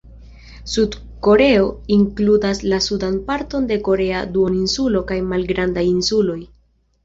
Sud-Koreo inkludas la sudan parton de korea duoninsulo kaj malgrandaj insuloj.